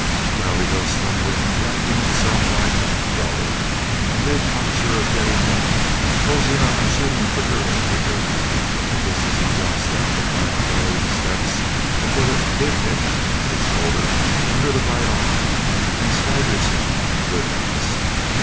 Well, he goes stumbling and dragging himself like up the gully, and they, cocksure of getting him, closing up and shooting quicker and quicker, when just as he jumps down the Black Gully steps a bullet did hit him in the shoulder under the right arm, and staggers him in good earnest.